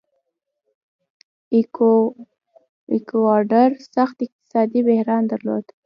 ایکواډور سخت اقتصادي بحران درلود.